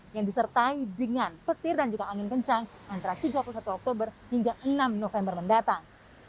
yang disertai dengan petir dan juga angin kencang antara tiga puluh satu oktober hingga enam november mendatang